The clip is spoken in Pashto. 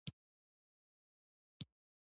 د عامه پوهاوي پروګرامونه تنظیم کړي.